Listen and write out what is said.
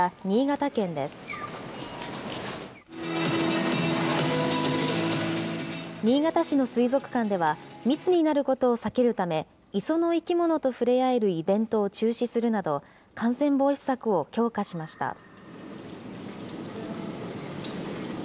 新潟市の水族館では密になることを避けるため、磯の生き物と触れ合えるイベントを中止するなど、感染防止策を強化しました。